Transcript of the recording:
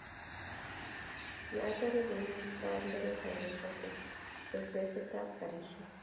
yo atoree, kenyiekab nderefainik kotesee rusisietab karishek